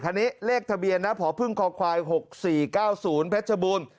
คันนี้เลขทะเบียนนะผอพึ่งคอควายหกสี่เก้าศูนย์เพชรบูรณ์